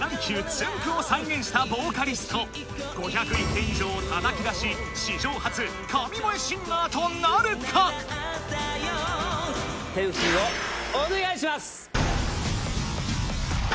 つんく♂を再現したボーカリスト５０１点以上をたたき出し史上初神声シンガーとなるか⁉点数をお願いします！